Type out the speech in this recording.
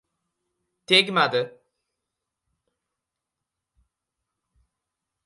Tegmadi.